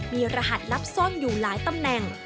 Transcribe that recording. มีรหัสลับซ่อนอยู่หลายตำแหน่ง